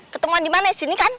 ketemuan dimana disini kan